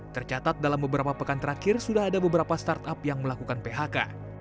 tercatat dalam beberapa pekan terakhir sudah ada beberapa startup yang melakukan phk